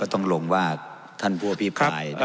ต้องลงว่าท่านผู้อภิปราย